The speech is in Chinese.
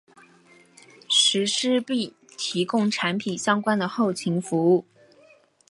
实施并提供产品相关的后勤服务。